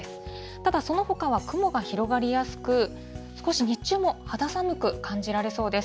ただそのほかは雲が広がりやすく、少し日中も肌寒く感じられそうです。